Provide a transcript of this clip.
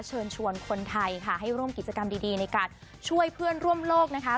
เชิญชวนคนไทยค่ะให้ร่วมกิจกรรมดีในการช่วยเพื่อนร่วมโลกนะคะ